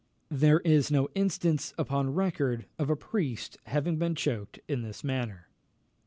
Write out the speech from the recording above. There is no instance upon record of a priest having been choked in this manner.